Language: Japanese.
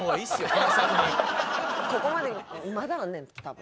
ここまでまだあんねんて多分。